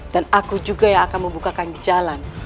dan aku juga yang akan membukakan jalan